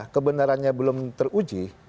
kebenarannya belum teruji